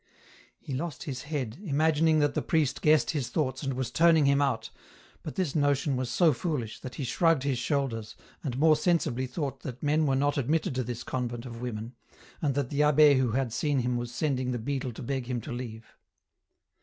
He lost his head, imagining that the priest guessed his thoughts and was turning him out, but this notion was so foolish, that he shrugged his shoulders, and more sensibly thought that men were not admitted to this convent of women, and that the abbe who had seen him was sending the beadle to beg him to leave.